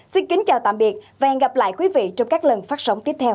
xin kính chào tạm biệt và hẹn gặp lại quý vị trong các lần phát sóng tiếp theo